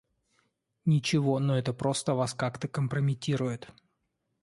Ничего, но это просто Вас как-то компрометирует.